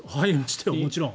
もちろん。